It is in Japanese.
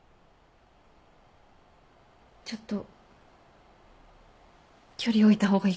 ちょっと距離置いた方がいいかも。